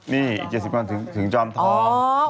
นี่อีก๗๐วันถึงจอมทอง